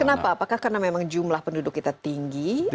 kenapa apakah karena memang jumlah penduduk kita tinggi